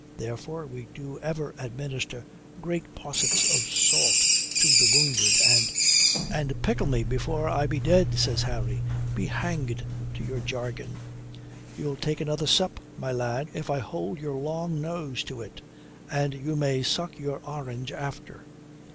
Therefore we do ever administer great possets of salt to the wounded, and " "And pickle me before I be dead," says Harry. "Be hanged to your jargon." "You'll take another sup, my lad, if I hold your long nose to it. And you may suck your orange after."